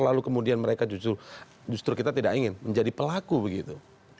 lalu kemudian mereka justru kita tidak ingin menjadi pelaku begitu